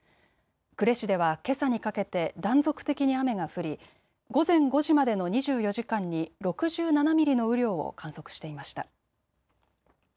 呉市では、けさにかけて断続的に雨が降り午前５時までの２４時間に６７ミリの雨量を観測していました。